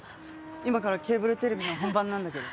今からケーブルテレビの本番なんだけど。